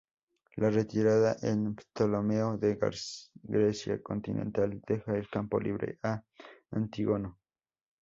La retirada de Ptolomeo de Grecia continental deja el campo libre a Antígono.